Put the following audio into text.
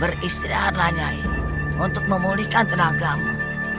beristirahatlah nyai untuk memulihkan tenagamu